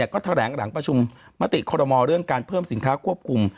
ก็แถลงหลังประชุมมติคอรมอเรื่องการเพิ่มสินค้าควบคุม